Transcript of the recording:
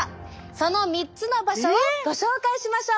その３つの場所をご紹介しましょう！